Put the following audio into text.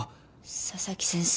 佐々木先生？